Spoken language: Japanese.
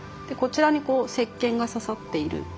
こちらに石剣が刺さっている。